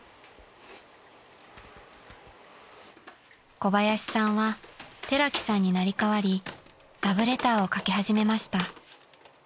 ［小林さんは寺木さんに成り代わりラブレターを書き始めました］